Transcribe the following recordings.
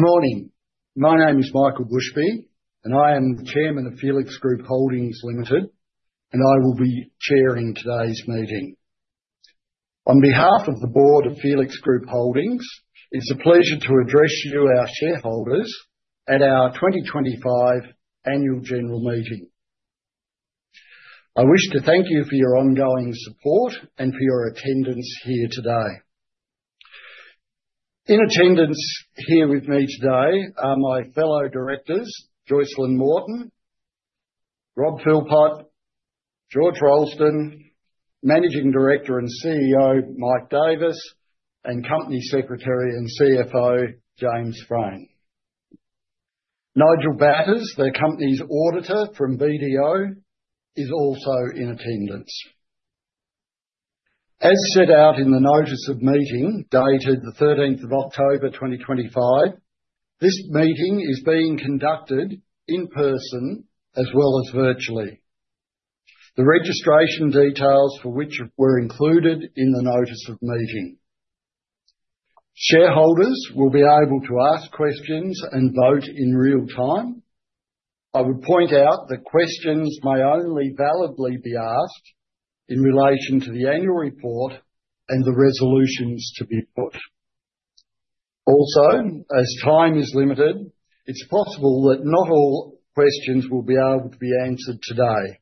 Good morning. My name is Michael Busby, and I am the Chairman of Felix Group Holdings Limited, and I will be chairing today's meeting. On behalf of the board of Felix Group Holdings, it's a pleasure to address you, our shareholders, at our 2025 Annual General Meeting. I wish to thank you for your ongoing support and for your attendance here today. In attendance here with me today are my fellow directors, Joycelyn Morton, Rob Phillpott, George Rolleston, Managing Director and CEO Mike Davis, and Company Secretary and CFO James Frayne. Nigel Batters, the company's auditor from BDO, is also in attendance. As set out in the notice of meeting dated the 13th of October 2025, this meeting is being conducted in person as well as virtually. The registration details for which were included in the notice of meeting. Shareholders will be able to ask questions and vote in real time. I would point out that questions may only validly be asked in relation to the annual report and the resolutions to be put. Also, as time is limited, it's possible that not all questions will be able to be answered today.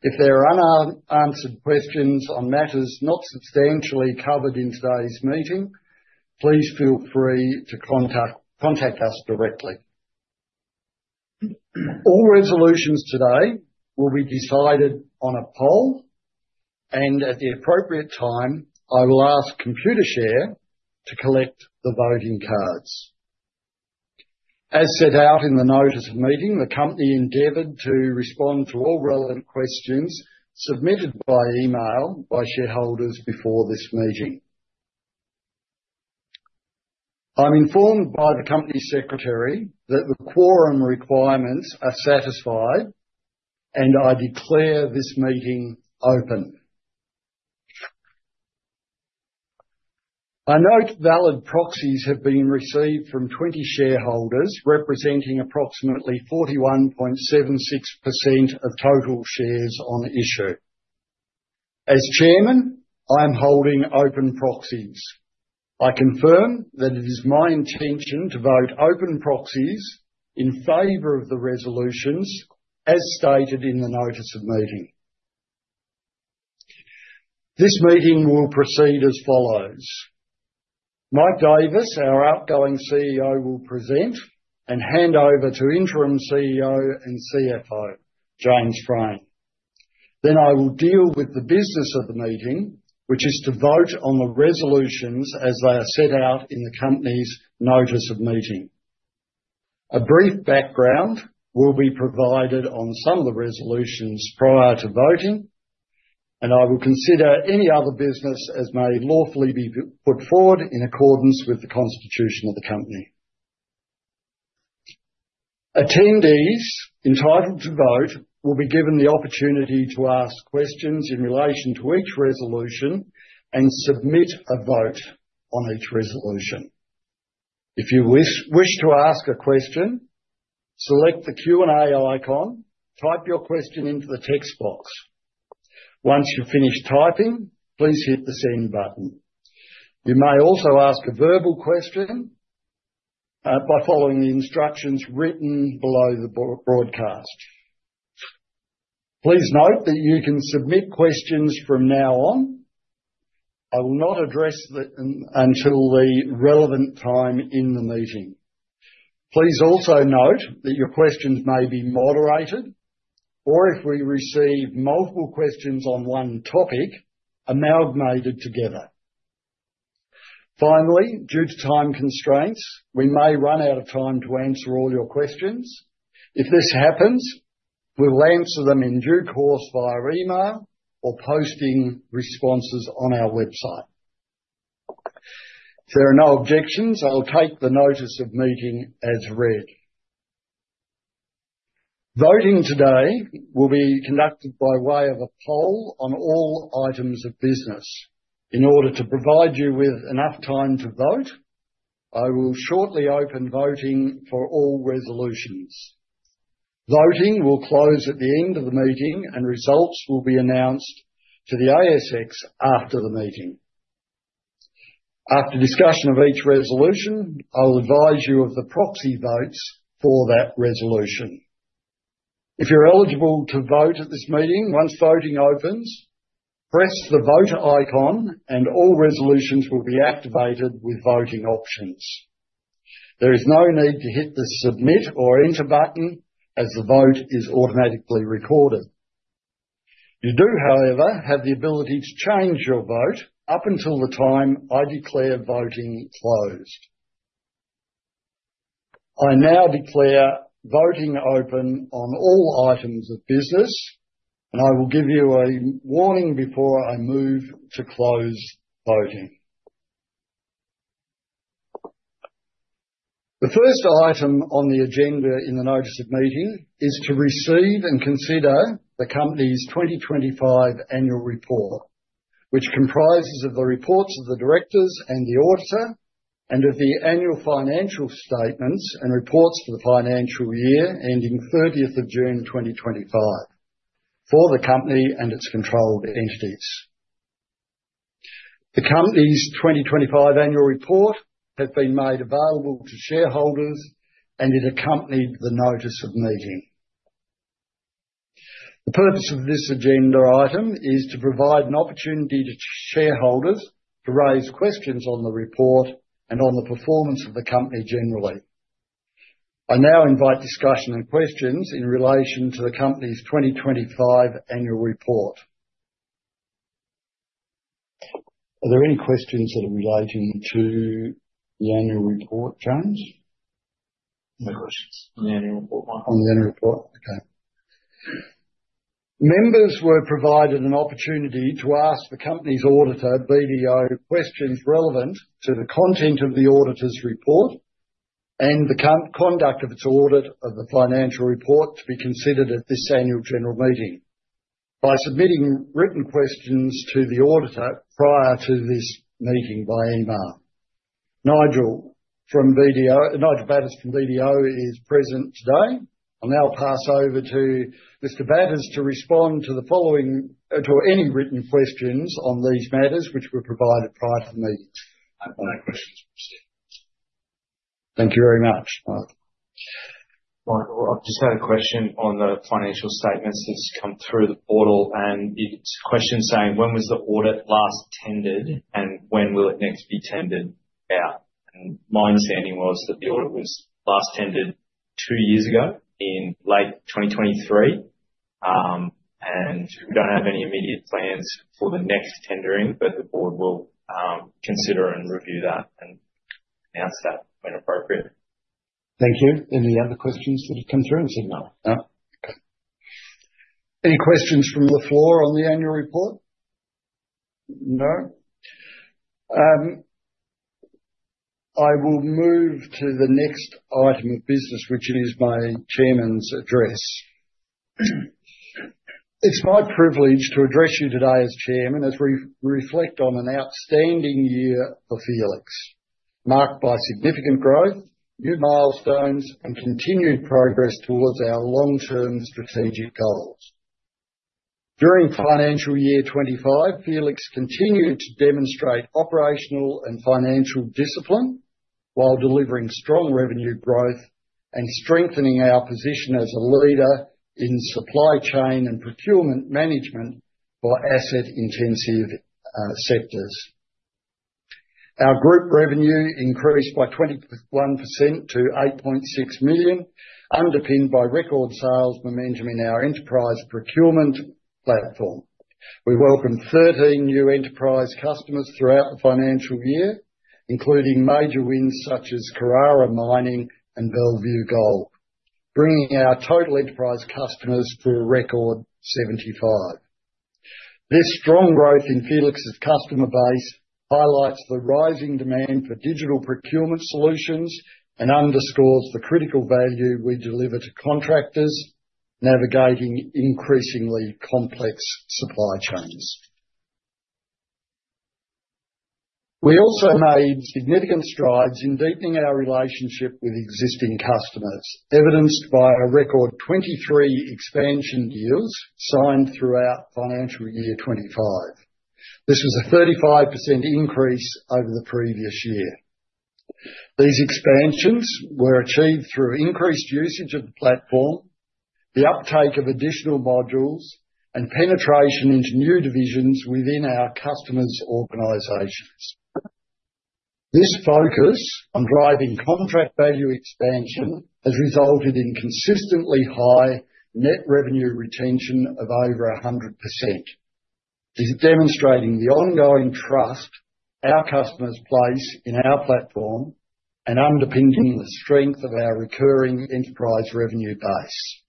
If there are unanswered questions on matters not substantially covered in today's meeting, please feel free to contact us directly. All resolutions today will be decided on a poll, and at the appropriate time, I will ask Computershare to collect the voting cards. As set out in the notice of meeting, the company endeavored to respond to all relevant questions submitted by email by shareholders before this meeting. I'm informed by the Company Secretary that the quorum requirements are satisfied, and I declare this meeting open. I note valid proxies have been received from 20 shareholders representing approximately 41.76% of total shares on issue. As Chairman, I am holding open proxies. I confirm that it is my intention to vote open proxies in favor of the resolutions as stated in the notice of meeting. This meeting will proceed as follows. Mike Davis, our outgoing CEO, will present and hand over to interim CEO and CFO James Frayne. I will deal with the business of the meeting, which is to vote on the resolutions as they are set out in the company's notice of meeting. A brief background will be provided on some of the resolutions prior to voting, and I will consider any other business as may lawfully be put forward in accordance with the constitution of the company. Attendees entitled to vote will be given the opportunity to ask questions in relation to each resolution and submit a vote on each resolution. If you wish to ask a question, select the Q&A icon, type your question into the text box. Once you've finished typing, please hit the send button. You may also ask a verbal question by following the instructions written below the broadcast. Please note that you can submit questions from now on. I will not address them until the relevant time in the meeting. Please also note that your questions may be moderated, or if we receive multiple questions on one topic, amalgamated together. Finally, due to time constraints, we may run out of time to answer all your questions. If this happens, we'll answer them in due course via email or posting responses on our website. If there are no objections, I'll take the notice of meeting as read. Voting today will be conducted by way of a poll on all items of business. In order to provide you with enough time to vote, I will shortly open voting for all resolutions. Voting will close at the end of the meeting, and results will be announced to the ASX after the meeting. After discussion of each resolution, I will advise you of the proxy votes for that resolution. If you're eligible to vote at this meeting, once voting opens, press the voter icon, and all resolutions will be activated with voting options. There is no need to hit the submit or enter button as the vote is automatically recorded. You do, however, have the ability to change your vote up until the time I declare voting closed. I now declare voting open on all items of business, and I will give you a warning before I move to close voting. The first item on the agenda in the notice of meeting is to receive and consider the company's 2025 annual report, which comprises the reports of the directors and the auditor and of the annual financial statements and reports for the financial year ending 30th of June 2025 for the company and its controlled entities. The company's 2025 annual report has been made available to shareholders, and it accompanied the notice of meeting. The purpose of this agenda item is to provide an opportunity to shareholders to raise questions on the report and on the performance of the company generally. I now invite discussion and questions in relation to the company's 2025 annual report. Are there any questions that are relating to the annual report, James? No questions on the annual report, Michael. On the annual report, okay. Members were provided an opportunity to ask the company's auditor, BDO, questions relevant to the content of the auditor's report and the conduct of its audit of the financial report to be considered at this annual general meeting by submitting written questions to the auditor prior to this meeting by email. Nigel Batters from BDO is present today. I'll now pass over to Mr. Batters to respond to any written questions on these matters which were provided prior to the meeting. No questions from the staff. Thank you very much, Nigel. Right, I've just had a question on the financial statements that's come through the portal, and it's a question saying, "When was the audit last tendered and when will it next be tendered out?" And my understanding was that the audit was last tendered two years ago in late 2023, and we don't have any immediate plans for the next tendering, but the board will consider and review that and announce that when appropriate. Thank you. Any other questions that have come through? No. Okay. Any questions from the floor on the annual report? No? I will move to the next item of business, which is my Chairman's address. It's my privilege to address you today as Chairman as we reflect on an outstanding year for Felix, marked by significant growth, new milestones, and continued progress towards our long-term strategic goals. During financial year 2025, Felix continued to demonstrate operational and financial discipline while delivering strong revenue growth and strengthening our position as a leader in supply chain and procurement management for asset-intensive sectors. Our group revenue increased by 21% to 8.6 million, underpinned by record sales for management in our enterprise procurement platform. We welcomed 13 new enterprise customers throughout the financial year, including major wins such as Karara Mining and Bellevue Gold, bringing our total enterprise customers to a record 75. This strong growth in Felix's customer base highlights the rising demand for digital procurement solutions and underscores the critical value we deliver to contractors navigating increasingly complex supply chains. We also made significant strides in deepening our relationship with existing customers, evidenced by a record 23 expansion deals signed throughout financial year 2025. This was a 35% increase over the previous year. These expansions were achieved through increased usage of the platform, the uptake of additional modules, and penetration into new divisions within our customers' organizations. This focus on driving contract value expansion has resulted in consistently high net revenue retention of over 100%. It is demonstrating the ongoing trust our customers place in our platform and underpinning the strength of our recurring enterprise revenue base.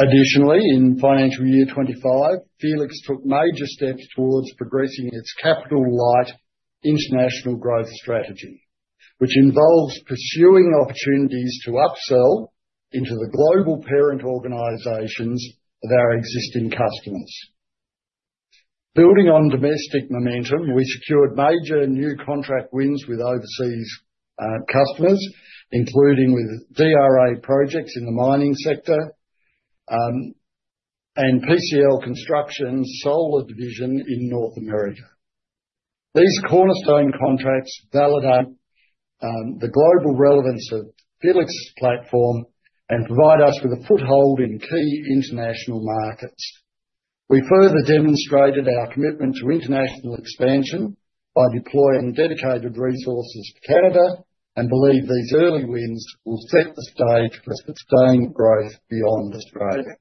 Additionally, in financial year 2025, Felix took major steps towards progressing its capital-light international growth strategy, which involves pursuing opportunities to upsell into the global parent organizations of our existing customers. Building on domestic momentum, we secured major new contract wins with overseas customers, including with DRA Projects in the mining sector and PCL Construction's solar division in North America. These cornerstone contracts validate the global relevance of Felix's platform and provide us with a foothold in key international markets. We further demonstrated our commitment to international expansion by deploying dedicated resources to Canada, and believe these early wins will set the stage for sustained growth beyond Australia.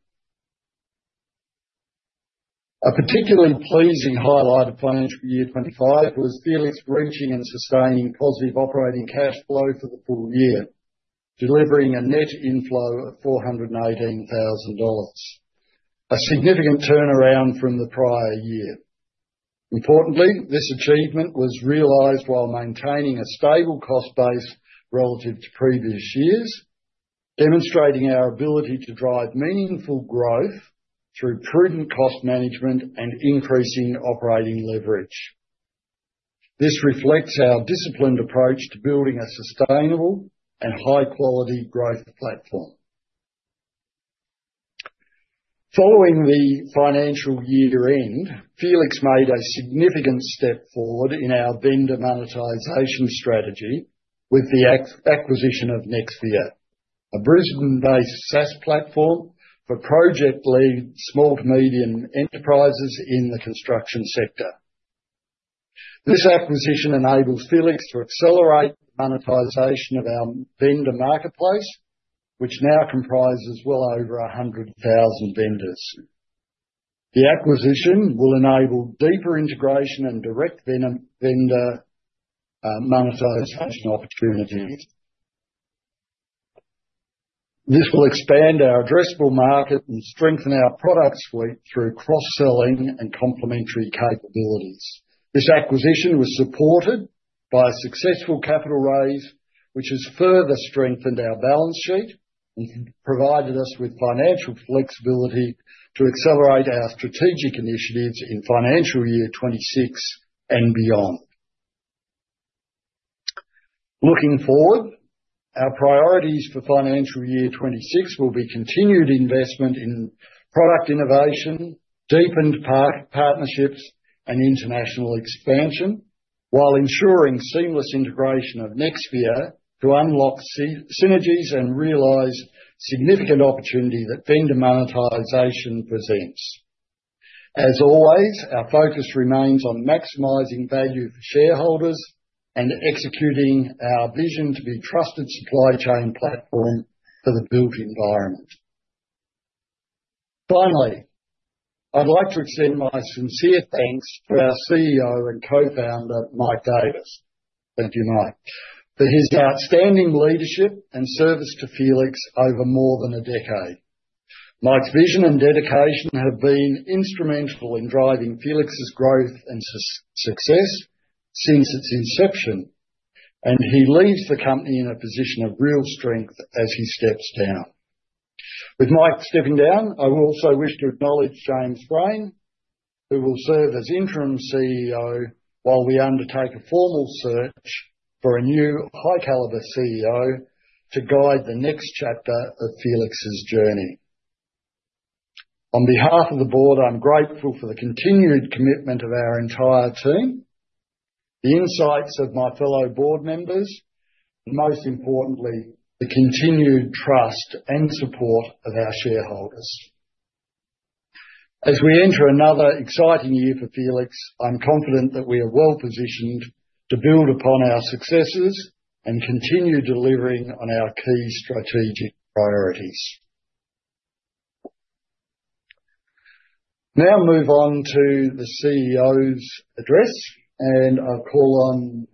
A particularly pleasing highlight of financial year 2025 was Felix reaching and sustaining positive operating cash flow for the full year, delivering a net inflow of 418,000 dollars, a significant turnaround from the prior year. Importantly, this achievement was realised while maintaining a stable cost base relative to previous years, demonstrating our ability to drive meaningful growth through prudent cost management and increasing operating leverage. This reflects our disciplined approach to building a sustainable and high-quality growth platform. Following the financial year-end, Felix made a significant step forward in our vendor monetisation strategy with the acquisition of Nexvia, a Brisbane-based SaaS platform for project-led small to medium enterprises in the construction sector. This acquisition enables Felix to accelerate the monetisation of our vendor marketplace, which now comprises well over 100,000 vendors. The acquisition will enable deeper integration and direct vendor monetisation opportunities. This will expand our addressable market and strengthen our product suite through cross-selling and complementary capabilities. This acquisition was supported by a successful capital raise, which has further strengthened our balance sheet and provided us with financial flexibility to accelerate our strategic initiatives in financial year 2026 and beyond. Looking forward, our priorities for financial year 2026 will be continued investment in product innovation, deepened partnerships, and international expansion, while ensuring seamless integration of Nexvia to unlock synergies and realise significant opportunity that vendor monetisation presents. As always, our focus remains on maximising value for shareholders and executing our vision to be a trusted supply chain platform for the built environment. Finally, I'd like to extend my sincere thanks to our CEO and co-founder, Mike Davis. Thank you, Mike, for his outstanding leadership and service to Felix over more than a decade. Mike's vision and dedication have been instrumental in driving Felix's growth and success since its inception, and he leaves the company in a position of real strength as he steps down. With Mike stepping down, I will also wish to acknowledge James Frayne, who will serve as interim CEO while we undertake a formal search for a new high-calibre CEO to guide the next chapter of Felix's journey. On behalf of the board, I'm grateful for the continued commitment of our entire team, the insights of my fellow board members, and most importantly, the continued trust and support of our shareholders. As we enter another exciting year for Felix, I'm confident that we are well positioned to build upon our successes and continue delivering on our key strategic priorities. Now move on to the CEO's address, and I'll call on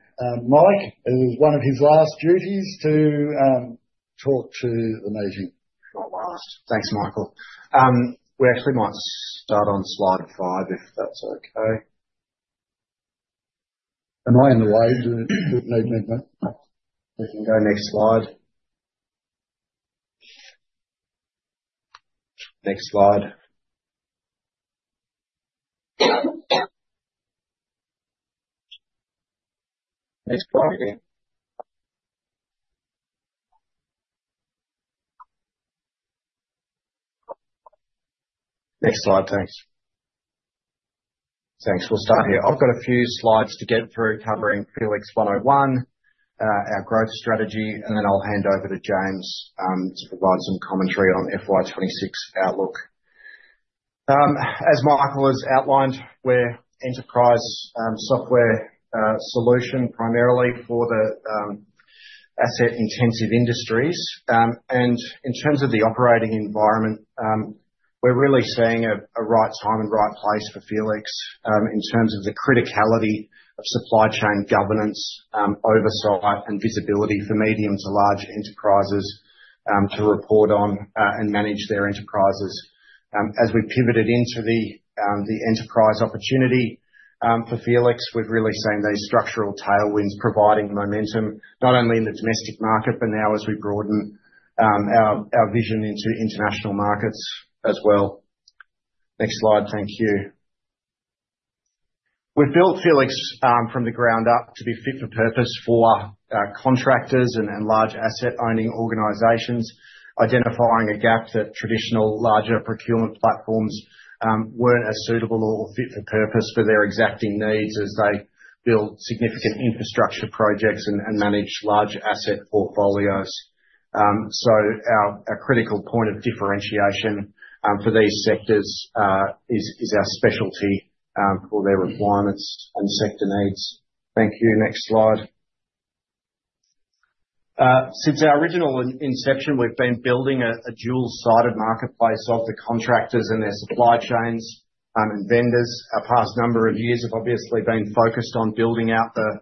Mike as one of his last duties to talk to the meeting. Thanks, Michael. We actually might start on slide five if that's okay. Am I in the way? We can go next slide. Next slide. Next slide. Next slide, thanks. Thanks. We'll start here. I've got a few slides to get through covering Felix 101, our growth strategy, and then I'll hand over to James to provide some commentary on FY26 outlook. As Michael has outlined, we're an enterprise software solution primarily for the asset-intensive industries. In terms of the operating environment, we're really seeing a right time and right place for Felix in terms of the criticality of supply chain governance, oversight, and visibility for medium to large enterprises to report on and manage their enterprises. As we pivoted into the enterprise opportunity for Felix, we've really seen those structural tailwinds providing momentum not only in the domestic market, but now as we broaden our vision into international markets as well. Next slide, thank you. We've built Felix from the ground up to be fit for purpose for contractors and large asset-owning organizations, identifying a gap that traditional larger procurement platforms weren't as suitable or fit for purpose for their exacting needs as they build significant infrastructure projects and manage large asset portfolios. Our critical point of differentiation for these sectors is our specialty for their requirements and sector needs. Thank you. Next slide. Since our original inception, we've been building a dual-sided marketplace of the contractors and their supply chains and vendors. Our past number of years have obviously been focused on building out the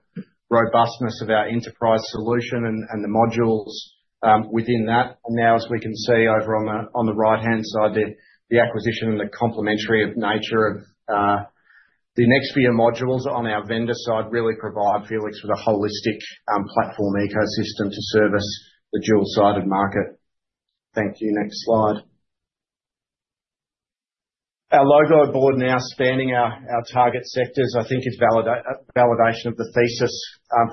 robustness of our enterprise solution and the modules within that. Now, as we can see over on the right-hand side, the acquisition and the complementary nature of the Nexvia modules on our vendor side really provide Felix with a holistic platform ecosystem to service the dual-sided market. Thank you. Next slide. Our logo board now spanning our target sectors, I think, is validation of the thesis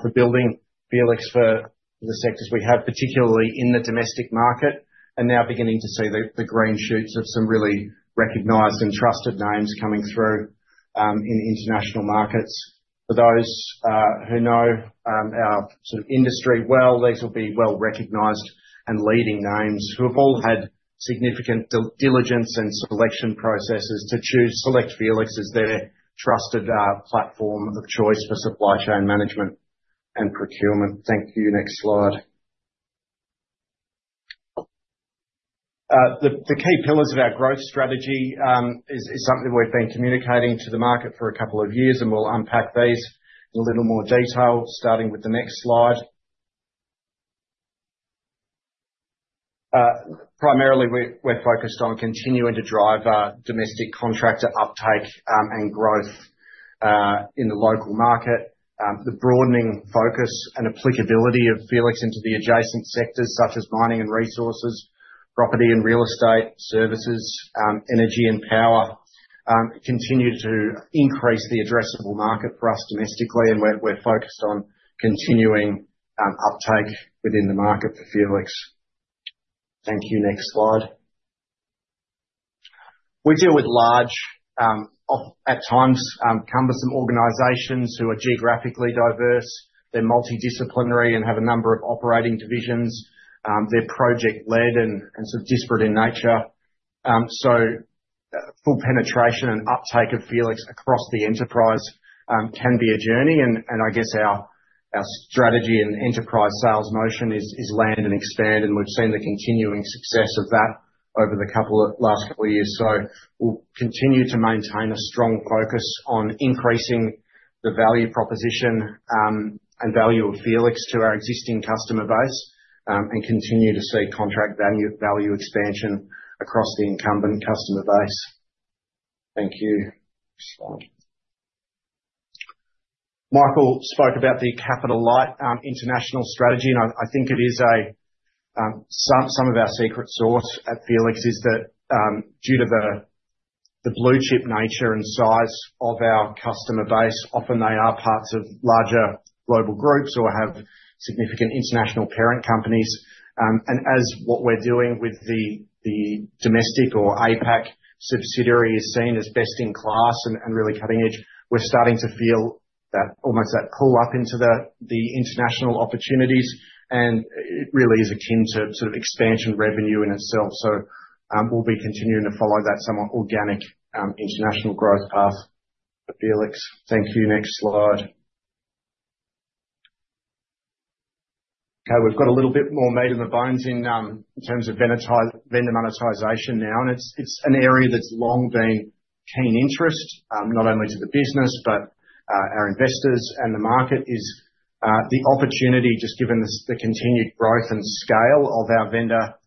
for building Felix for the sectors we have, particularly in the domestic market, and now beginning to see the green shoots of some really recognized and trusted names coming through in international markets. For those who know our sort of industry well, these will be well-recognized and leading names who have all had significant diligence and selection processes to choose Felix as their trusted platform of choice for supply chain management and procurement. Thank you. Next slide. The key pillars of our growth strategy is something we've been communicating to the market for a couple of years, and we'll unpack these in a little more detail, starting with the next slide. Primarily, we're focused on continuing to drive domestic contractor uptake and growth in the local market. The broadening focus and applicability of Felix into the adjacent sectors such as mining and resources, property and real estate services, energy, and power continue to increase the addressable market for us domestically, and we're focused on continuing uptake within the market for Felix. Thank you. Next slide. We deal with large, at times, cumbersome organizations who are geographically diverse. They're multidisciplinary and have a number of operating divisions. They're project-led and sort of disparate in nature. Full penetration and uptake of Felix across the enterprise can be a journey. I guess our strategy and enterprise sales motion is land and expand, and we've seen the continuing success of that over the last couple of years. We will continue to maintain a strong focus on increasing the value proposition and value of Felix to our existing customer base and continue to see contract value expansion across the incumbent customer base. Thank you. Next slide. Michael spoke about the capital-light international strategy, and I think it is some of our secret sauce at Felix is that due to the blue-chip nature and size of our customer base, often they are parts of larger global groups or have significant international parent companies. As what we are doing with the domestic or APAC subsidiary is seen as best in class and really cutting-edge, we are starting to feel almost that pull-up into the international opportunities, and it really is akin to sort of expansion revenue in itself. We will be continuing to follow that somewhat organic international growth path for Felix. Thank you. Next slide. Okay. We've got a little bit more meat in the bones in terms of vendor monetisation now, and it's an area that's long been keen interest not only to the business, but our investors and the market is the opportunity, just given the continued growth and scale of our vendor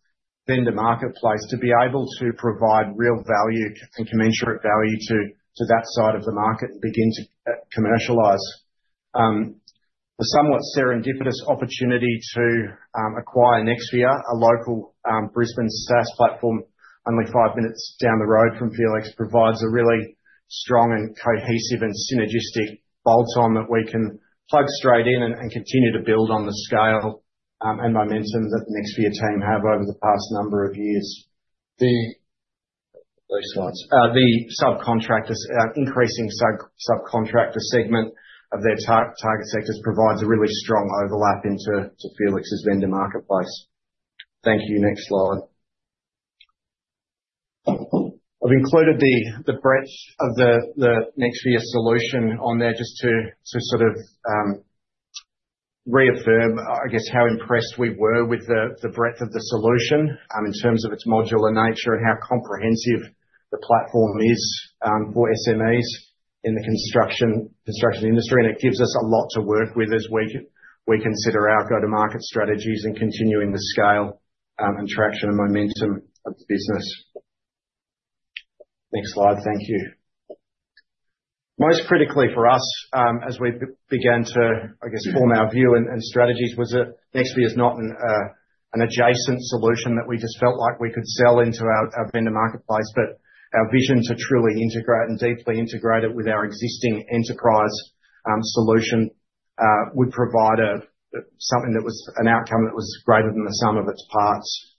marketplace, to be able to provide real value and commensurate value to that side of the market and begin to commercialise. The somewhat serendipitous opportunity to acquire Nexvia, a local Brisbane SaaS platform only five minutes down the road from Felix, provides a really strong and cohesive and synergistic bolt-on that we can plug straight in and continue to build on the scale and momentum that the Nexvia team have over the past number of years. The subcontractors, increasing subcontractor segment of their target sectors provides a really strong overlap into Felix's vendor marketplace. Thank you. Next slide. I've included the breadth of the Nexvia solution on there just to sort of reaffirm, I guess, how impressed we were with the breadth of the solution in terms of its modular nature and how comprehensive the platform is for SMEs in the construction industry. It gives us a lot to work with as we consider our go-to-market strategies and continuing the scale and traction and momentum of the business. Next slide. Thank you. Most critically for us, as we began to, I guess, form our view and strategies, was that Nexvia is not an adjacent solution that we just felt like we could sell into our vendor marketplace, but our vision to truly integrate and deeply integrate it with our existing enterprise solution would provide something that was an outcome that was greater than the sum of its parts.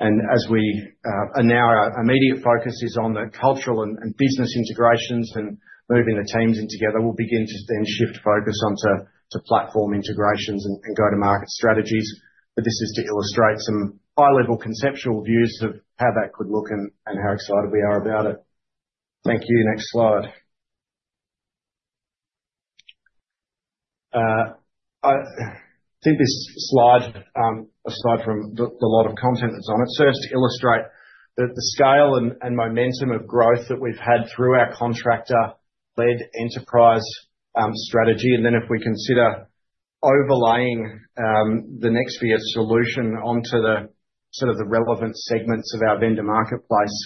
As we now, our immediate focus is on the cultural and business integrations and moving the teams in together, we'll begin to then shift focus onto platform integrations and go-to-market strategies. This is to illustrate some high-level conceptual views of how that could look and how excited we are about it. Thank you. Next slide. I think this slide, aside from the lot of content that's on it, serves to illustrate the scale and momentum of growth that we've had through our contractor-led enterprise strategy. If we consider overlaying the Nexvia solution onto sort of the relevant segments of our vendor marketplace,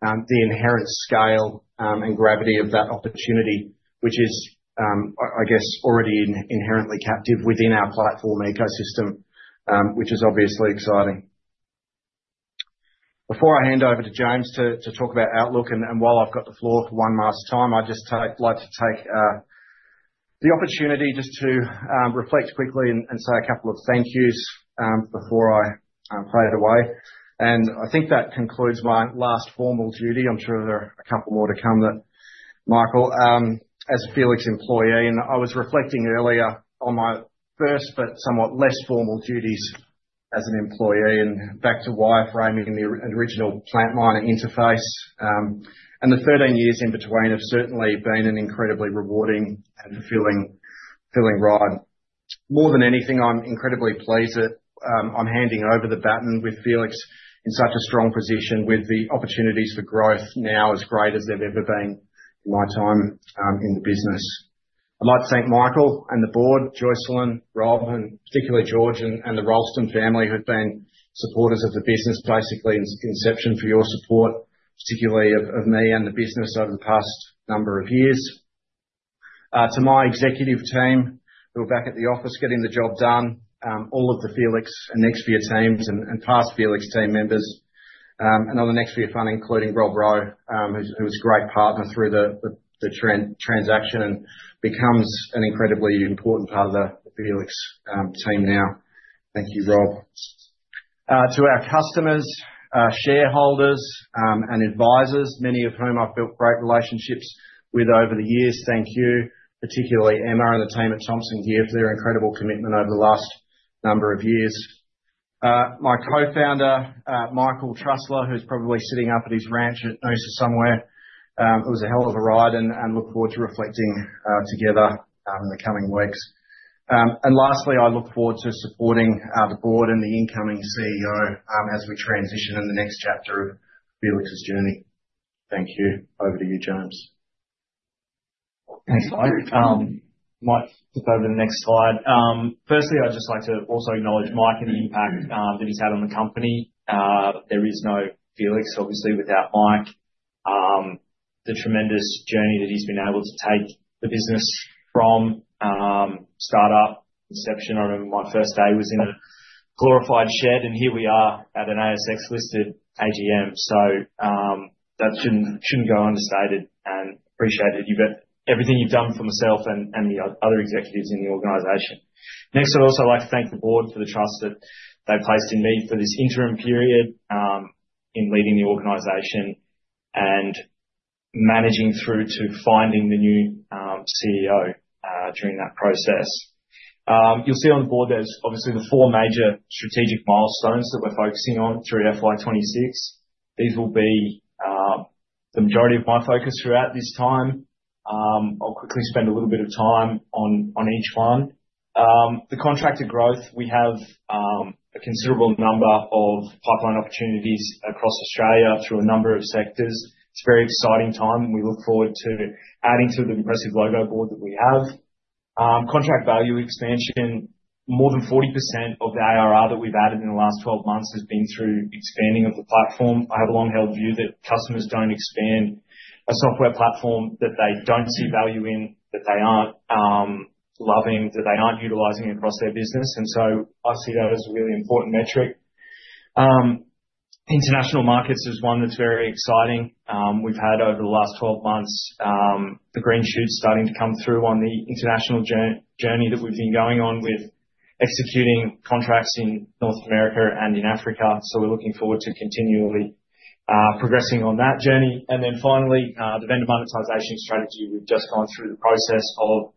the inherent scale and gravity of that opportunity, which is, I guess, already inherently captive within our platform ecosystem, which is obviously exciting. Before I hand over to James to talk about outlook, and while I've got the floor for one last time, I'd just like to take the opportunity just to reflect quickly and say a couple of thank yous before I fade away. I think that concludes my last formal duty. I'm sure there are a couple more to come, Michael, as a Felix employee. I was reflecting earlier on my first, but somewhat less formal duties as an employee and back to why framing the original Plant Miner interface. The 13 years in between have certainly been an incredibly rewarding and fulfilling ride. More than anything, I'm incredibly pleased that I'm handing over the baton with Felix in such a strong position with the opportunities for growth now as great as they've ever been in my time in the business. I'd like to thank Michael and the board, Joycelyn, Rob, and particularly George, and the Rolleston family who have been supporters of the business basically since inception for your support, particularly of me and the business over the past number of years. To my executive team who are back at the office getting the job done, all of the Felix and Nexvia teams and past Felix team members, and other Nexvia funding, including Rob Rowe, who was a great partner through the transaction and becomes an incredibly important part of the Felix team now. Thank you, Rob. To our customers, shareholders, and advisors, many of whom I've built great relationships with over the years, thank you, particularly Emma and the team at Thomson Geer for their incredible commitment over the last number of years. My co-founder, Michael Trusler, who's probably sitting up at his ranch at Noosa somewhere, it was a hell of a ride and look forward to reflecting together in the coming weeks. Lastly, I look forward to supporting the board and the incoming CEO as we transition in the next chapter of Felix's journey. Thank you. Over to you, James. Thanks, Mike. Might flip over to the next slide. Firstly, I'd just like to also acknowledge Mike and the impact that he's had on the company. There is no Felix, obviously, without Mike. The tremendous journey that he's been able to take the business from startup inception. I remember my first day was in a glorified shed, and here we are at an ASX-listed AGM. That shouldn't go unstated, and I appreciate everything you've done for myself and the other executives in the organization. Next, I'd also like to thank the board for the trust that they placed in me for this interim period in leading the organization and managing through to finding the new CEO during that process. You'll see on the board there's obviously the four major strategic milestones that we're focusing on through FY 2026. These will be the majority of my focus throughout this time. I'll quickly spend a little bit of time on each one. The contractor growth, we have a considerable number of pipeline opportunities across Australia through a number of sectors. It's a very exciting time, and we look forward to adding to the impressive logo board that we have. Contract value expansion, more than 40% of the ARR that we've added in the last 12 months has been through expanding of the platform. I have a long-held view that customers don't expand a software platform that they don't see value in, that they aren't loving, that they aren't utilising across their business. I see that as a really important metric. International markets is one that's very exciting. We've had over the last 12 months the green shoots starting to come through on the international journey that we've been going on with executing contracts in North America and in Africa. We're looking forward to continually progressing on that journey. Finally, the vendor monetisation strategy, we've just gone through the process of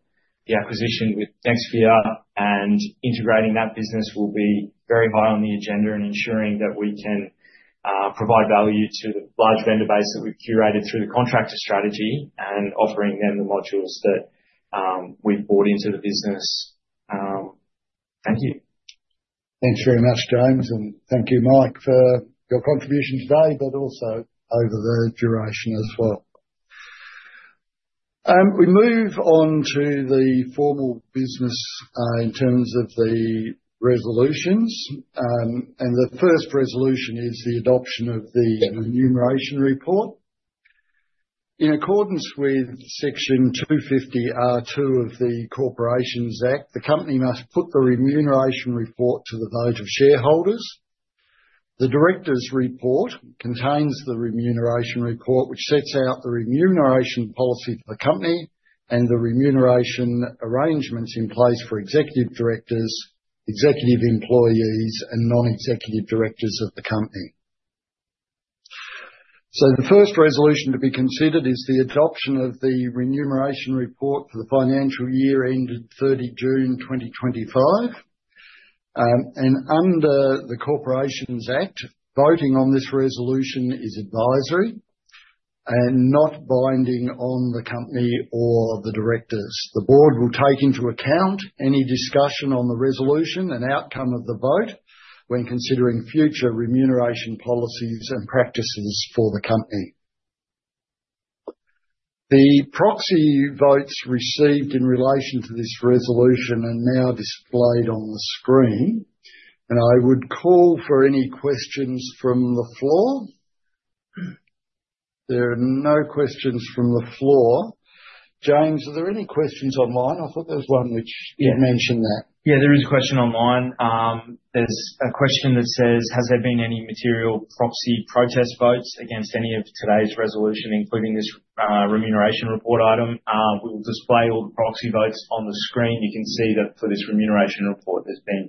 the acquisition with Nexvia and integrating that business will be very high on the agenda and ensuring that we can provide value to the large vendor base that we've curated through the contractor strategy and offering them the modules that we've brought into the business. Thank you. Thanks very much, James, and thank you, Mike, for your contribution today, but also over the duration as well. We move on to the formal business in terms of the resolutions. The first resolution is the adoption of the remuneration report. In accordance with Section 250R(2) of the Corporations Act, the company must put the remuneration report to the vote of shareholders. The director's report contains the remuneration report, which sets out the remuneration policy for the company and the remuneration arrangements in place for executive directors, executive employees, and non-executive directors of the company. The first resolution to be considered is the adoption of the remuneration report for the financial year ended 30 June 2025. Under the Corporations Act, voting on this resolution is advisory and not binding on the company or the directors. The board will take into account any discussion on the resolution and outcome of the vote when considering future remuneration policies and practices for the company. The proxy votes received in relation to this resolution are now displayed on the screen. I would call for any questions from the floor. There are no questions from the floor. James, are there any questions online? I thought there was one which did mention that. Yeah, there is a question online. There is a question that says, "Has there been any material proxy protest votes against any of today's resolution, including this remuneration report item?" We will display all the proxy votes on the screen. You can see that for this remuneration report, there has been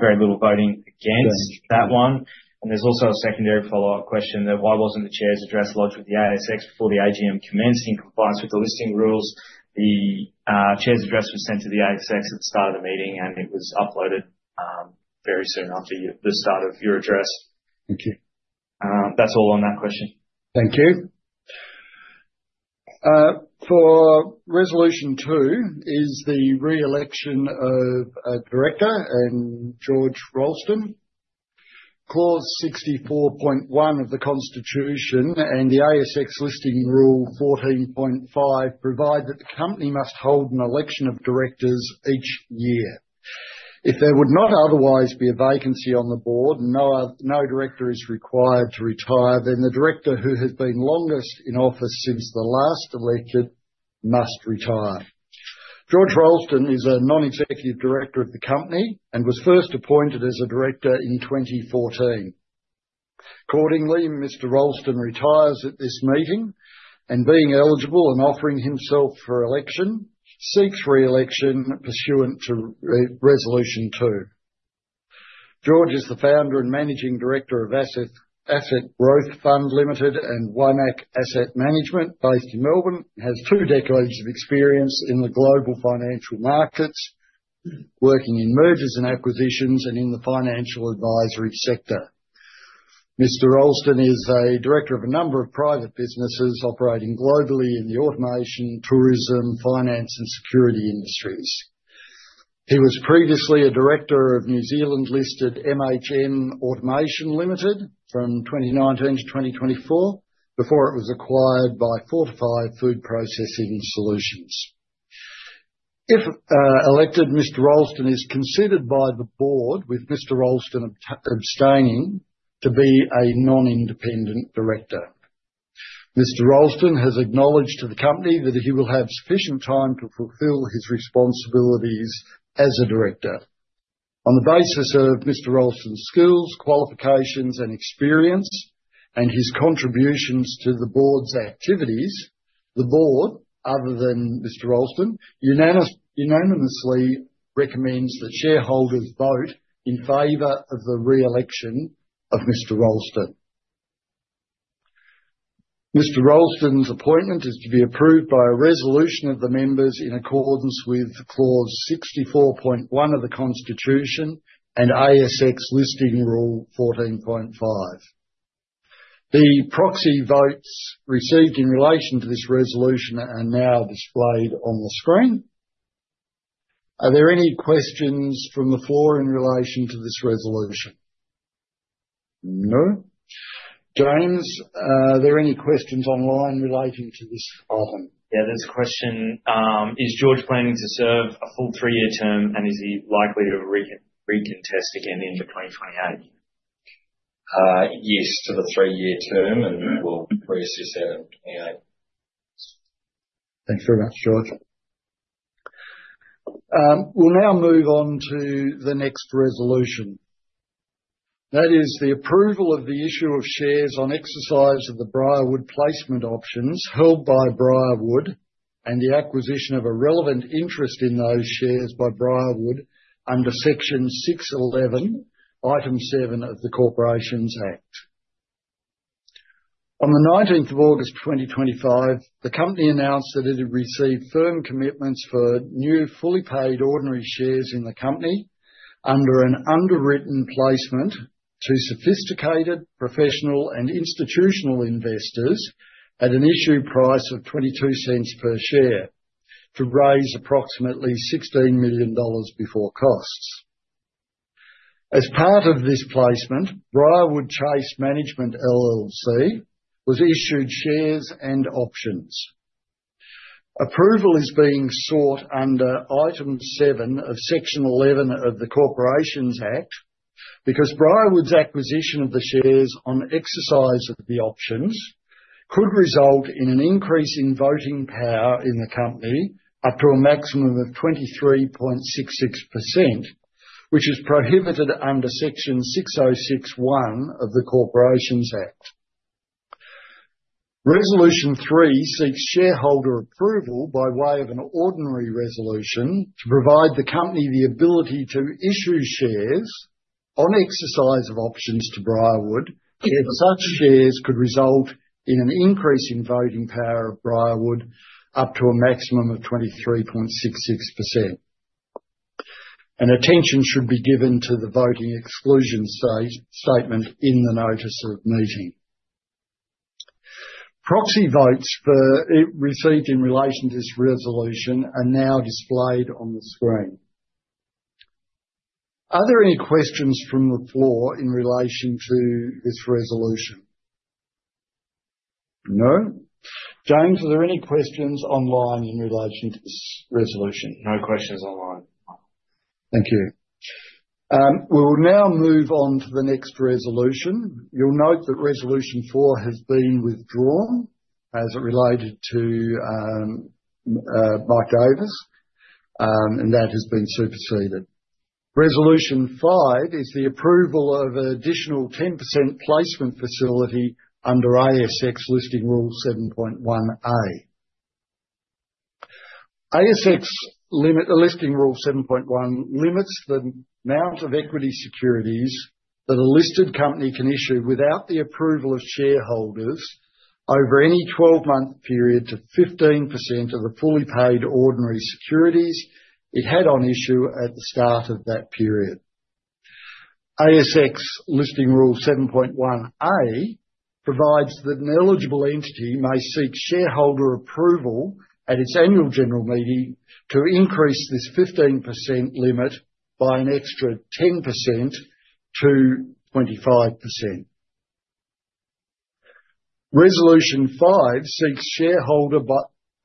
very little voting against that one. There is also a secondary follow-up question that, "Why wasn't the chair's address lodged with the ASX before the AGM commenced in compliance with the listing rules?" The chair's address was sent to the ASX at the start of the meeting, and it was uploaded very soon after the start of your address. Thank you. That is all on that question. Thank you. For resolution two is the re-election of director and George Rolleston. Clause 64.1 of the Constitution and the ASX listing rule 14.5 provide that the company must hold an election of directors each year. If there would not otherwise be a vacancy on the board and no director is required to retire, then the director who has been longest in office since the last election must retire. George Rolleston is a non-executive director of the company and was first appointed as a director in 2014. Accordingly, Mr. Rolleston retires at this meeting and, being eligible and offering himself for election, seeks re-election pursuant to resolution two. George is the founder and managing director of Asset Growth Fund Ltd and Waimak Asset Management, based in Melbourne, and has two decades of experience in the global financial markets, working in mergers and acquisitions and in the financial advisory sector. Mr. Rolleston is a director of a number of private businesses operating globally in the automation, tourism, finance, and security industries. He was previously a director of New Zealand-listed MHM Automation Limited from 2019 to 2024, before it was acquired by Fortifi Food Processing Solutions. If elected, Mr. Rolleston is considered by the board, with Mr. Rolleston abstaining, to be a non-independent director. Mr. Rolleston has acknowledged to the company that he will have sufficient time to fulfill his responsibilities as a director. On the basis of Mr. Rolleston's skills, qualifications, and experience, and his contributions to the board's activities, the board, other than Mr. Rolleston, unanimously recommends that shareholders vote in favor of the re-election of Mr. Rolleston. Mr. Rolleston's appointment is to be approved by a resolution of the members in accordance with clause 64.1 of the Constitution and ASX listing rule 14.5. The proxy votes received in relation to this resolution are now displayed on the screen. Are there any questions from the floor in relation to this resolution? No. James, are there any questions online relating to this item? Yeah, there's a question. Is George planning to serve a full three-year term, and is he likely to recontest again into 2028? Yes, to the three-year term, and we'll reassess that in 2028. Thanks very much, George. We'll now move on to the next resolution. That is the approval of the issue of shares on exercise of the Briarwood Placement Options held by Briarwood and the acquisition of a relevant interest in those shares by Briarwood under Section 611, item 7 of the Corporations Act. On the 19th of August 2025, the company announced that it had received firm commitments for new fully paid ordinary shares in the company under an underwritten placement to sophisticated professional and institutional investors at an issue price of 0.22 per share to raise approximately 16 million dollars before costs. As part of this placement, Briarwood Chase Management LLC was issued shares and options. Approval is being sought under item 7 of Section 11 of the Corporations Act because Briarwood's acquisition of the shares on exercise of the options could result in an increase in voting power in the company up to a maximum of 23.66%, which is prohibited under Section 606(1) of the Corporations Act. Resolution three seeks shareholder approval by way of an ordinary resolution to provide the company the ability to issue shares on exercise of options to Briarwood if such shares could result in an increase in voting power of Briarwood up to a maximum of 23.66%. Attention should be given to the voting exclusion statement in the notice of meeting. Proxy votes received in relation to this resolution are now displayed on the screen. Are there any questions from the floor in relation to this resolution? No. James, are there any questions online in relation to this resolution? No questions online. Thank you. We will now move on to the next resolution. You'll note that resolution four has been withdrawn as it related to Mike Davis, and that has been superseded. Resolution five is the approval of an additional 10% placement facility under ASX listing rule 7.1A. ASX listing rule 7.1 limits the amount of equity securities that a listed company can issue without the approval of shareholders over any 12-month period to 15% of the fully paid ordinary securities it had on issue at the start of that period. ASX listing rule 7.1A provides that an eligible entity may seek shareholder approval at its annual general meeting to increase this 15% limit by an extra 10%-25%. Resolution five seeks shareholder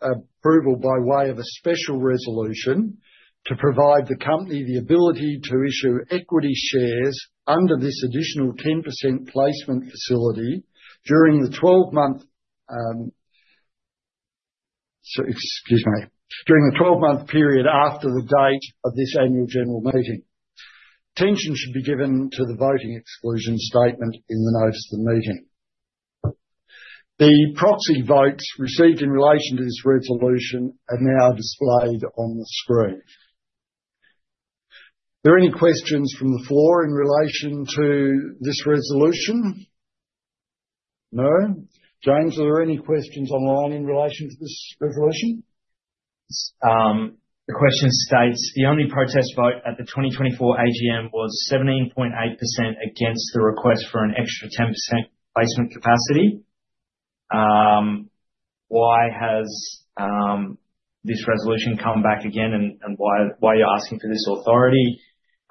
approval by way of a special resolution to provide the company the ability to issue equity shares under this additional 10% placement facility during the 12-month period after the date of this annual general meeting. Attention should be given to the voting exclusion statement in the notice of meeting. The proxy votes received in relation to this resolution are now displayed on the screen. Are there any questions from the floor in relation to this resolution? No. James, are there any questions online in relation to this resolution? The question states, "The only protest vote at the 2024 AGM was 17.8% against the request for an extra 10% placement capacity. Why has this resolution come back again, and why are you asking for this authority?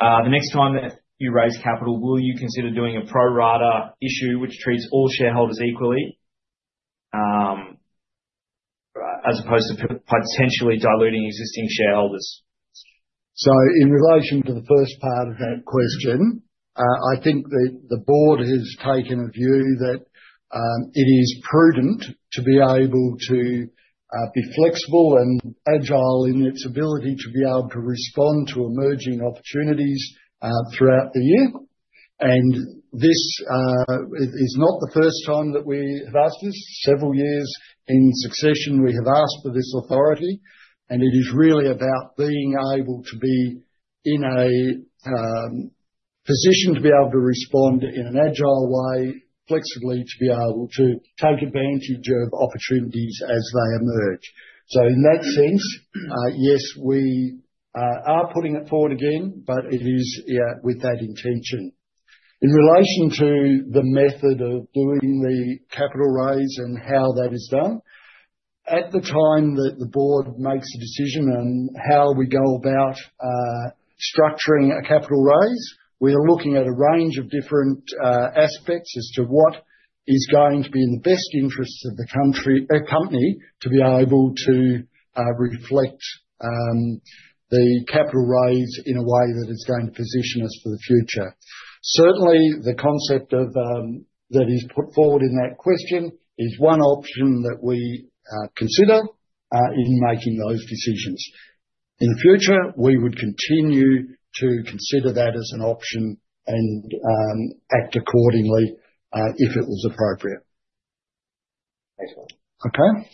The next time that you raise capital, will you consider doing a pro-rata issue which treats all shareholders equally as opposed to potentially diluting existing shareholders? In relation to the first part of that question, I think the board has taken a view that it is prudent to be able to be flexible and agile in its ability to be able to respond to emerging opportunities throughout the year. This is not the first time that we have asked this. Several years in succession, we have asked for this authority. It is really about being able to be in a position to be able to respond in an agile way, flexibly, to be able to take advantage of opportunities as they emerge. In that sense, yes, we are putting it forward again, but it is with that intention. In relation to the method of doing the capital raise and how that is done, at the time that the board makes a decision on how we go about structuring a capital raise, we are looking at a range of different aspects as to what is going to be in the best interests of the company to be able to reflect the capital raise in a way that is going to position us for the future. Certainly, the concept that is put forward in that question is one option that we consider in making those decisions. In the future, we would continue to consider that as an option and act accordingly if it was appropriate. Okay.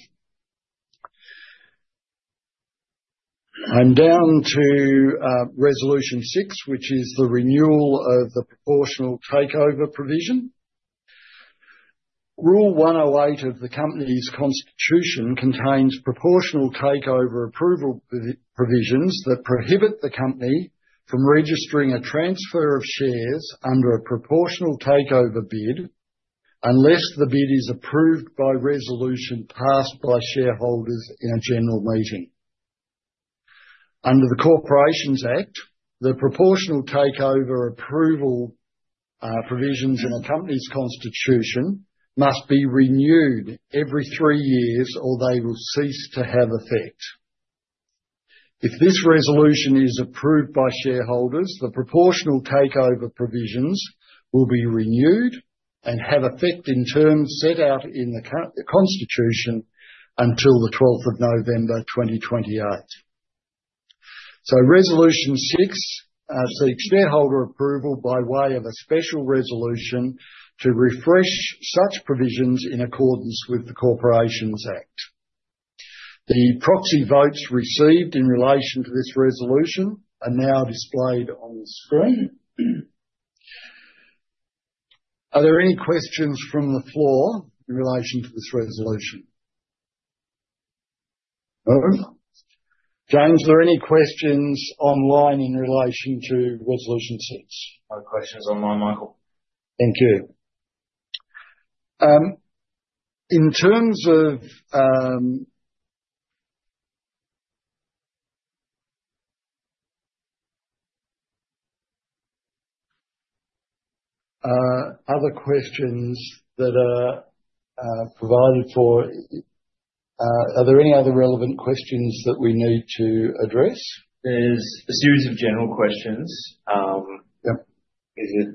I'm down to resolution six, which is the renewal of the proportional takeover provision. Rule 108 of the company's constitution contains proportional takeover approval provisions that prohibit the company from registering a transfer of shares under a proportional takeover bid unless the bid is approved by resolution passed by shareholders in a general meeting. Under the Corporations Act, the proportional takeover approval provisions in a company's constitution must be renewed every three years, or they will cease to have effect. If this resolution is approved by shareholders, the proportional takeover provisions will be renewed and have effect in terms set out in the constitution until the 12th of November 2028. Resolution six seeks shareholder approval by way of a special resolution to refresh such provisions in accordance with the Corporations Act. The proxy votes received in relation to this resolution are now displayed on the screen. Are there any questions from the floor in relation to this resolution? No. James, are there any questions online in relation to resolution six? No questions online, Michael. Thank you. In terms of other questions that are provided for, are there any other relevant questions that we need to address? There's a series of general questions. Is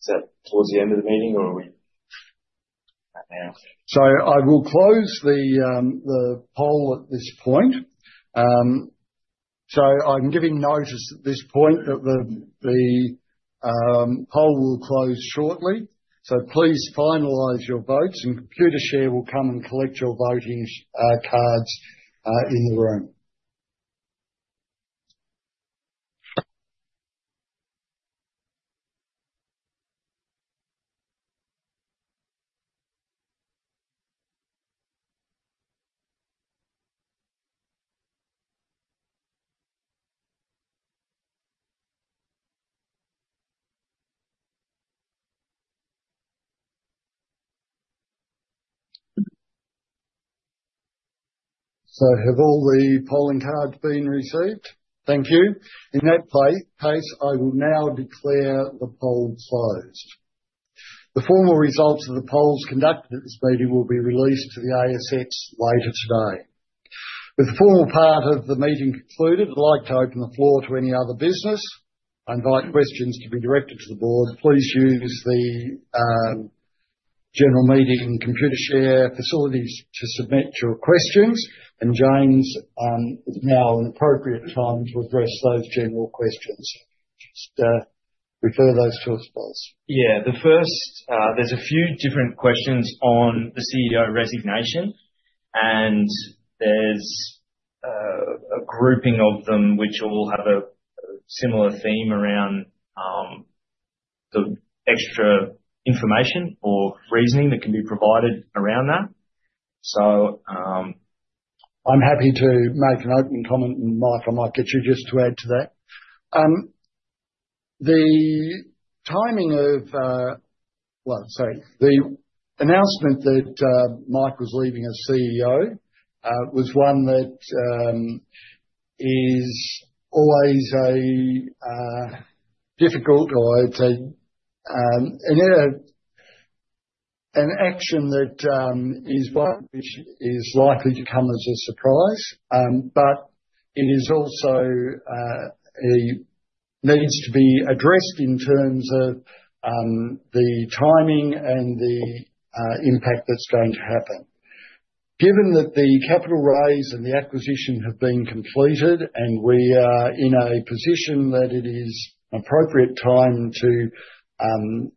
it towards the end of the meeting, or are we at now? I will close the poll at this point. I'm giving notice at this point that the poll will close shortly. Please finalize your votes, and Computershare will come and collect your voting cards in the room. Have all the polling cards been received? Thank you. In that case, I will now declare the poll closed. The formal results of the polls conducted at this meeting will be released to the ASX later today. With the formal part of the meeting concluded, I'd like to open the floor to any other business. I invite questions to be directed to the board. Please use the general meeting Computershare facilities to submit your questions. James, it's now an appropriate time to address those general questions. Just refer those to us, please. Yeah. There's a few different questions on the CEO resignation, and there's a grouping of them which all have a similar theme around the extra information or reasoning that can be provided around that. I'm happy to make an opening comment, and Mike, I might get you just to add to that. The timing of, sorry, the announcement that Mike was leaving as CEO was one that is always a difficult or an action that is likely to come as a surprise, but it also needs to be addressed in terms of the timing and the impact that's going to happen. Given that the capital raise and the acquisition have been completed and we are in a position that it is an appropriate time to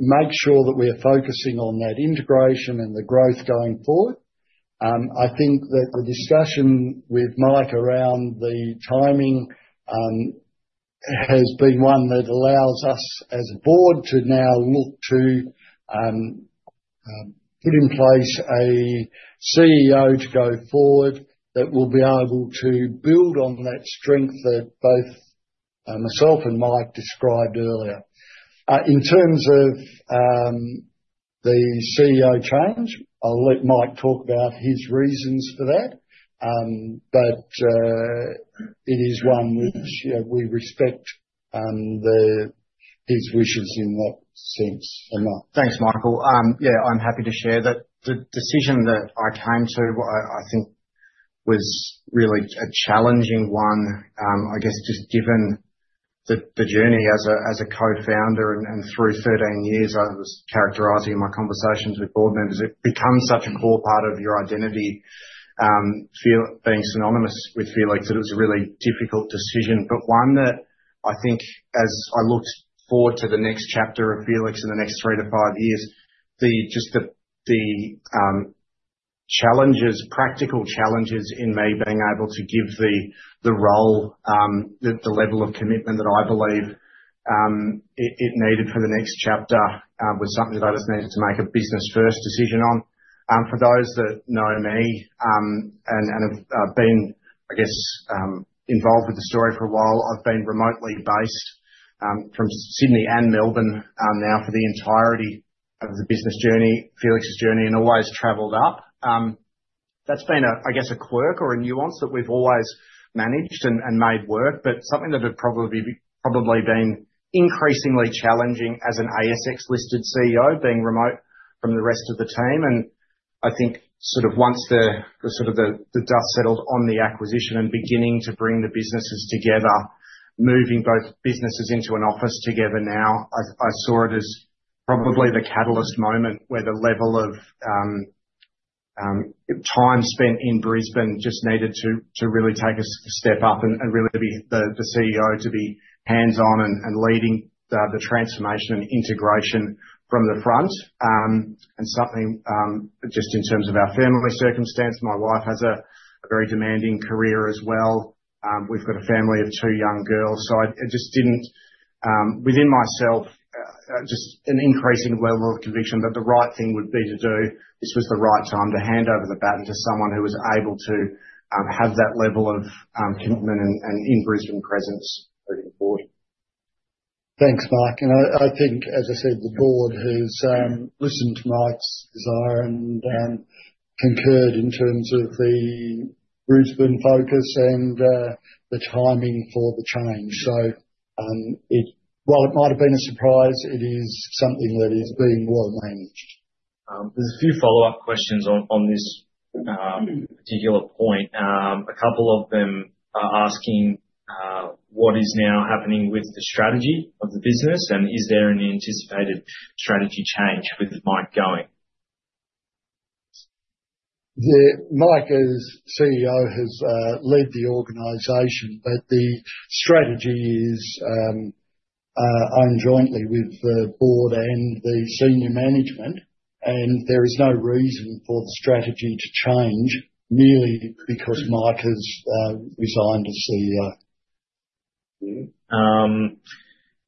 make sure that we are focusing on that integration and the growth going forward, I think that the discussion with Mike around the timing has been one that allows us as a board to now look to put in place a CEO to go forward that will be able to build on that strength that both myself and Mike described earlier. In terms of the CEO change, I'll let Mike talk about his reasons for that, but it is one which we respect his wishes in that sense. Thanks, Michael. Yeah, I'm happy to share that the decision that I came to, I think, was really a challenging one. I guess just given the journey as a co-founder and through 13 years I was characterizing in my conversations with board members, it becomes such a core part of your identity being synonymous with Felix that it was a really difficult decision. One that I think, as I looked forward to the next chapter of Felix in the next three to five years, just the practical challenges in me being able to give the role the level of commitment that I believe it needed for the next chapter was something that I just needed to make a business-first decision on. For those that know me and have been, I guess, involved with the story for a while, I've been remotely based from Sydney and Melbourne now for the entirety of the business journey, Felix's journey, and always travelled up. That's been, I guess, a quirk or a nuance that we've always managed and made work, but something that had probably been increasingly challenging as an ASX-listed CEO, being remote from the rest of the team. I think once the dust settled on the acquisition and beginning to bring the businesses together, moving both businesses into an office together now, I saw it as probably the catalyst moment where the level of time spent in Brisbane just needed to really take a step up and really be the CEO to be hands-on and leading the transformation and integration from the front. Something just in terms of our family circumstance, my wife has a very demanding career as well. We've got a family of two young girls. I just had, within myself, just an increasing level of conviction that the right thing would be to do, this was the right time to hand over the baton to someone who was able to have that level of commitment and in-Brisbane presence moving forward. Thanks, Mike. I think, as I said, the board has listened to Mike's desire and concurred in terms of the Brisbane focus and the timing for the change. While it might have been a surprise, it is something that is being well managed. There are a few follow-up questions on this particular point. A couple of them are asking what is now happening with the strategy of the business, and is there an anticipated strategy change with Mike going? Mike as CEO has led the organization, but the strategy is owned jointly with the board and the senior management, and there is no reason for the strategy to change merely because Mike has resigned as CEO.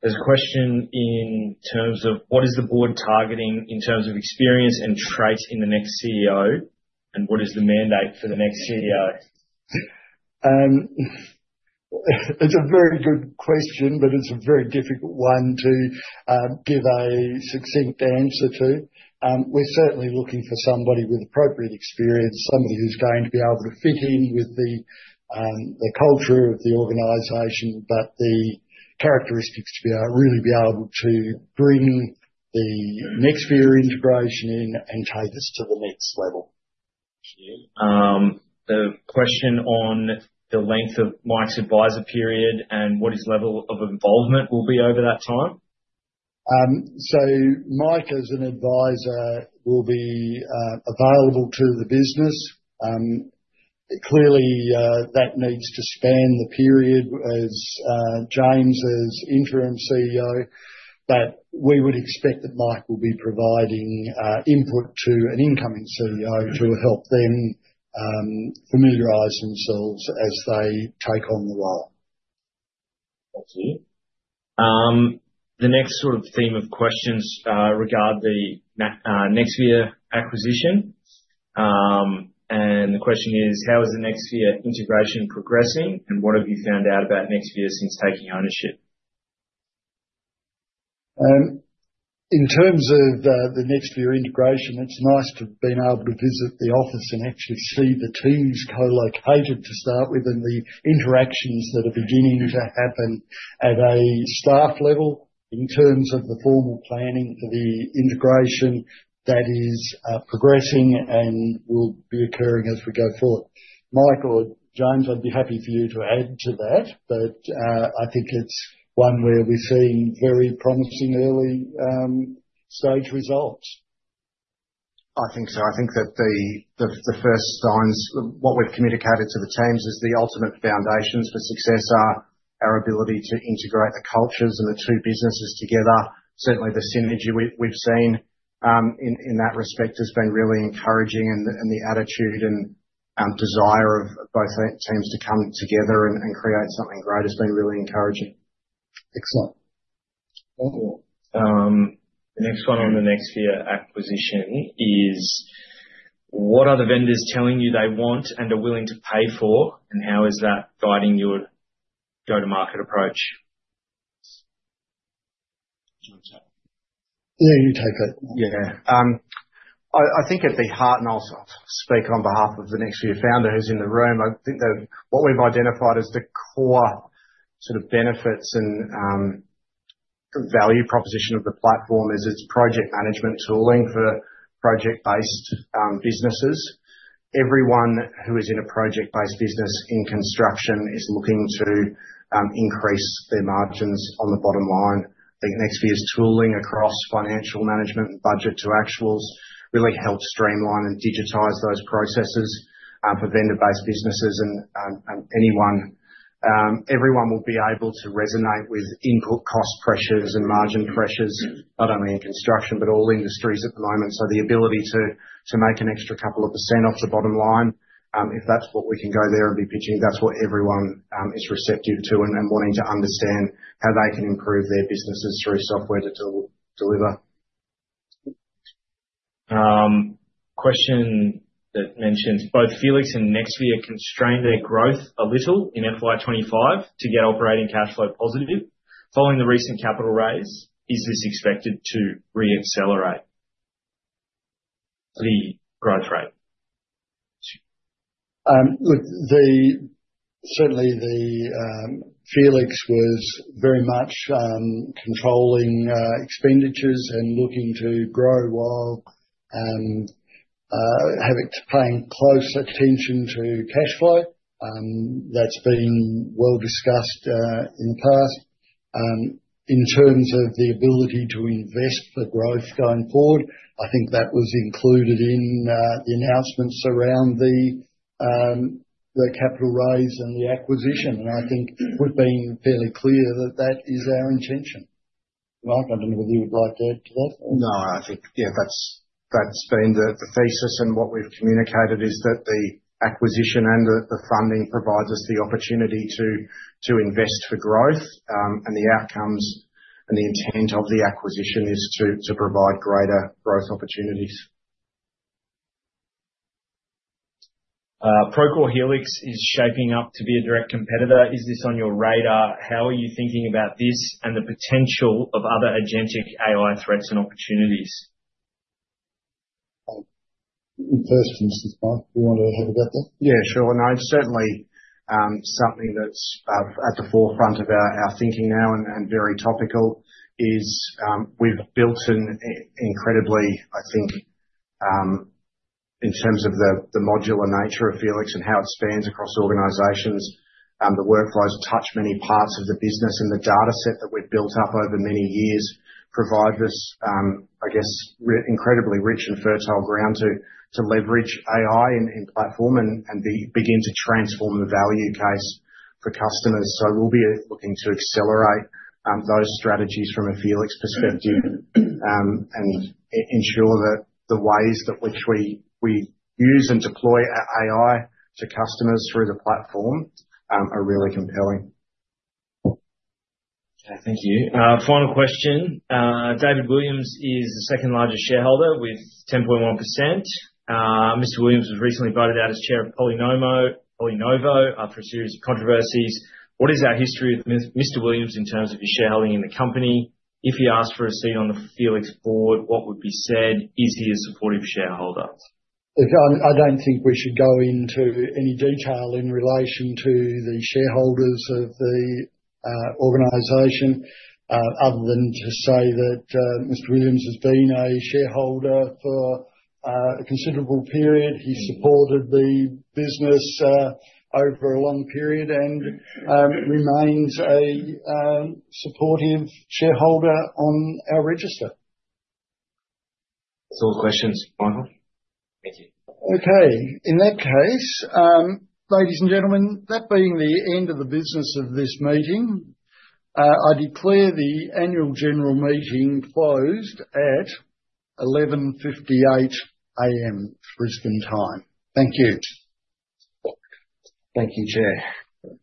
There is a question in terms of what is the board targeting in terms of experience and traits in the next CEO, and what is the mandate for the next CEO? It is a very good question, but it is a very difficult one to give a succinct answer to. We're certainly looking for somebody with appropriate experience, somebody who's going to be able to fit in with the culture of the organization, but the characteristics to really be able to bring the Nexvia integration in and take us to the next level. The question on the length of Mike's advisor period and what his level of involvement will be over that time. Mike as an advisor will be available to the business. Clearly, that needs to span the period as James as interim CEO, but we would expect that Mike will be providing input to an incoming CEO to help them familiarize themselves as they take on the role. Thank you. The next sort of theme of questions regard the Nexvia acquisition. The question is, how is the Nexvia integration progressing, and what have you found out about Nexvia since taking ownership? In terms of the Nexvia integration, it's nice to have been able to visit the office and actually see the teams co-located to start with and the interactions that are beginning to happen at a staff level in terms of the formal planning for the integration that is progressing and will be occurring as we go forward. Mike or James, I'd be happy for you to add to that, but I think it's one where we're seeing very promising early-stage results. I think so. I think that the first signs, what we've communicated to the teams as the ultimate foundations for success are our ability to integrate the cultures and the two businesses together. Certainly, the synergy we've seen in that respect has been really encouraging, and the attitude and desire of both teams to come together and create something great has been really encouraging. Excellent. The next one on the Nexvia acquisition is, what are the vendors telling you they want and are willing to pay for, and how is that guiding your go-to-market approach? Yeah, you take it. Yeah. I think at the heart, and I'll speak on behalf of the Nexvia founder who's in the room, I think that what we've identified as the core sort of benefits and value proposition of the platform is its project management tooling for project-based businesses. Everyone who is in a project-based business in construction is looking to increase their margins on the bottom line. I think Nexvia's tooling across financial management and budget to actuals really helps streamline and digitize those processes for vendor-based businesses and anyone. Everyone will be able to resonate with input cost pressures and margin pressures, not only in construction but all industries at the moment. The ability to make an extra couple of percent off the bottom line, if that's what we can go there and be pitching, that's what everyone is receptive to and wanting to understand how they can improve their businesses through software to deliver. A question that mentions both Felix and Nexvia constrain their growth a little in FY 2025 to get operating cash flow positive. Following the recent capital raise, is this expected to re-accelerate the growth rate? Look, certainly Felix was very much controlling expenditures and looking to grow while having to pay close attention to cash flow. That's been well discussed in the past. In terms of the ability to invest for growth going forward, I think that was included in the announcements around the capital raise and the acquisition, and I think we've been fairly clear that that is our intention. Mike, I do not know whether you would like to add to that. No, I think, yeah, that has been the thesis, and what we have communicated is that the acquisition and the funding provides us the opportunity to invest for growth, and the outcomes and the intent of the acquisition is to provide greater growth opportunities. Procore Helix is shaping up to be a direct competitor. Is this on your radar? How are you thinking about this and the potential of other agentic AI threats and opportunities? First, this is Mike. Do you want to have a go at that? Yeah, sure. No, certainly something that's at the forefront of our thinking now and very topical is we've built an incredibly, I think, in terms of the modular nature of Felix and how it spans across organizations, the workflows touch many parts of the business, and the dataset that we've built up over many years provides us, I guess, incredibly rich and fertile ground to leverage AI in platform and begin to transform the value case for customers. We will be looking to accelerate those strategies from a Felix perspective and ensure that the ways that which we use and deploy AI to customers through the platform are really compelling. Okay, thank you. Final question. David Williams is the second largest shareholder with 10.1%. Mr. Williams was recently voted out as Chair of PolyNovo after a series of controversies. What is our history with Mr. Williams in terms of his shareholding in the company? If he asked for a seat on the Felix board, what would be said? Is he a supportive shareholder? Look, I do not think we should go into any detail in relation to the shareholders of the organization other than to say that Mr. Williams has been a shareholder for a considerable period. He has supported the business over a long period and remains a supportive shareholder on our register. That is all the questions, Michael. Thank you. Okay. In that case, ladies and gentlemen, that being the end of the business of this meeting, I declare the annual general meeting closed at 11:58 A.M. Brisbane time. Thank you. Thank you, Chair.